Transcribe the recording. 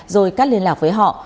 rồi cắt liên lạc với họ